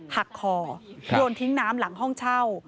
หักคอโยนทิ้งน้ำหลังห้องเช่า